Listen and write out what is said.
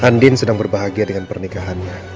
andin sedang berbahagia dengan pernikahannya